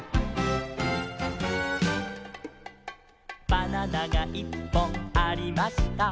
「バナナがいっぽんありました」